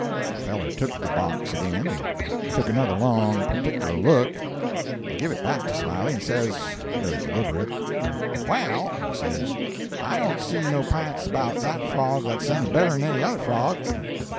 The feller took the box again and took another long, particular look, and give it back to Smiley, and says, very deliberate, 'Well,' he says, 'I don't see no p'ints about that frog that's any better'n any other frog.'